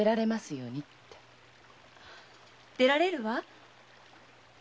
出られるわ。